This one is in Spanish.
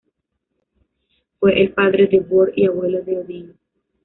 Fue el padre de Bor y abuelo de Odín.